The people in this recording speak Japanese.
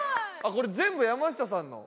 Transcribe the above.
これ全部山下さんの？